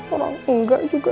orang engga juga